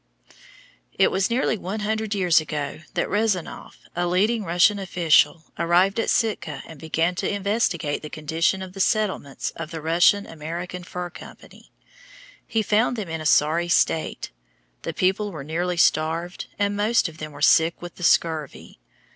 It was nearly one hundred years ago that Rezanof, a leading Russian official, arrived at Sitka and began to investigate the condition of the settlements of the Russian American Fur Company. He found them in a sorry state; the people were nearly starved and most of them were sick with the scurvy.